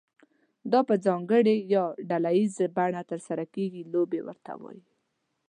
دا په ځانګړې یا ډله ییزه بڼه ترسره کیږي لوبې ورته وایي.